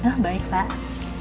oh baik pak